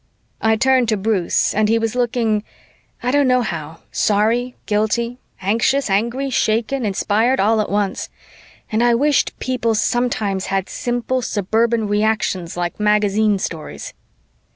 I turned to Bruce and he was looking, I don't know how, sorry, guilty, anxious, angry, shaken, inspired, all at once, and I wished people sometimes had simple suburban reactions like magazine stories.